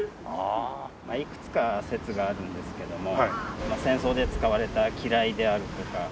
まあいくつか説があるんですけども戦争で使われた機雷であるとか。